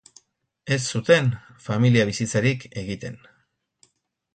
Ez zuten familia bizitzarik egiten.